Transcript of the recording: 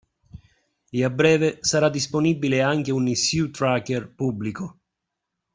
E a breve sarà disponibile anche un issue tracker pubblico.